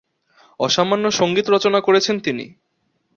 অসামান্য সঙ্গীত রচনা করেছেন তিনি।